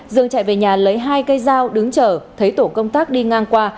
dương chạy về nhà lấy hai cây dao đứng chở thấy tổ công tác đi ngang qua